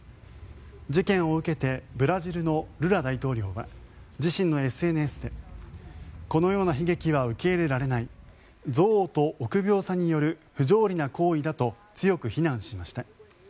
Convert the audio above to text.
事件を受けてブラジルのルラ大統領は自身のＳＮＳでこのような悲劇は受け入れられない憎悪と臆病さによる不条理な行為だと強く非難しました。